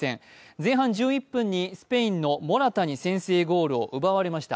前半１１分にスペインのモラタに先制ゴールを奪われました。